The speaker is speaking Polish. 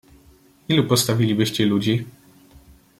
"Ilu postawilibyście ludzi?"